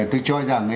tôi cho rằng